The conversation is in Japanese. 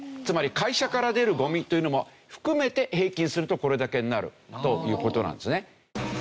つまり会社から出るゴミというのも含めて平均するとこれだけになるという事なんですね。